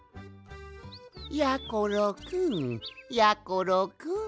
やころくんやころくん。